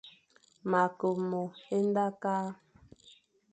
Ma Ke mo e nda kale,